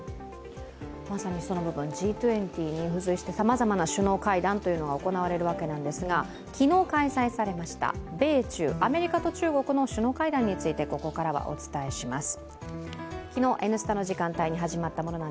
まさにその部分、Ｇ２０に付随してさまざまな首脳会談が行われるわけなんですが昨日開催されました、米中、アメリカと中国の首脳会談についてここからはお伝えします。